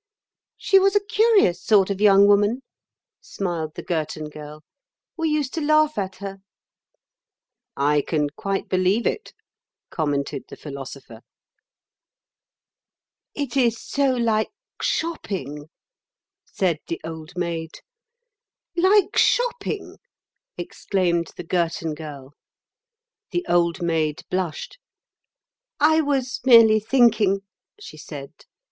"She was a curious sort of young woman," smiled the Girton Girl; "we used to laugh at her." "I can quite believe it," commented the Philosopher. "It is so like shopping," said the Old Maid. "Like shopping!" exclaimed the Girton Girl. The Old Maid blushed. "I was merely thinking," she said.